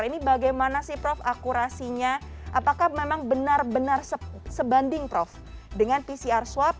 ini bagaimana sih prof akurasinya apakah memang benar benar sebanding prof dengan pcr swab